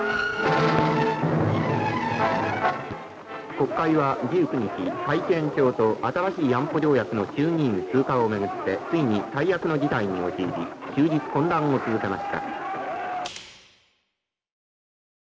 「国会は１９日新しい安保条約の衆議院通過をめぐってついに最悪の事態に陥り終日混乱を続けました」。